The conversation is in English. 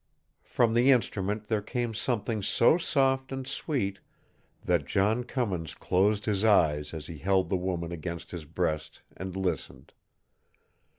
From the instrument there came something so soft and sweet that John Cummins closed his eyes as he held the woman against his breast and listened.